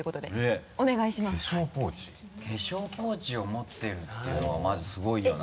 化粧ポーチを持ってるっていうのがまずすごいよな。